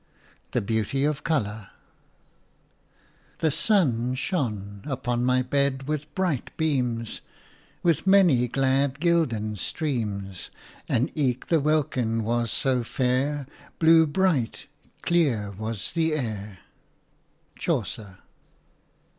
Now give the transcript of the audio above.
THE BEAUTY OF COLOUR "The Sunne shone Upon my bed with bright bemes, With many glad gilden stremes, And eke the welkin was so faire, Blew, bright, clere was the air." – CHAUCER.